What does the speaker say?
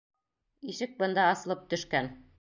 Ишек бында асылып төшкән.